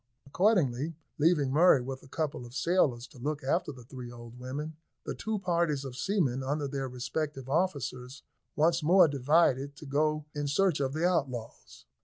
Accordingly, leaving Murray with a couple of sailors to look after the three old women, the two parties of seamen, under their respective officers, once more divided to go in search of the outlaws.